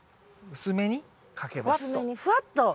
薄めにふわっと。